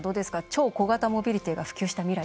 超小型モビリティが普及した未来